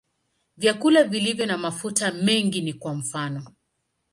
Vyakula vilivyo na mafuta mengi ni kwa mfano.